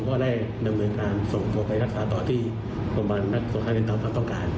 ก็ได้ดำเนินการส่งตัวไปรักษาต่อที่โรงพยาบาลนักศึกษาเรียนตอบภัยต้องการ